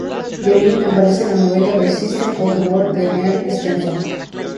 The Mint aparece en la novela "The System of the World" de Neal Stephenson.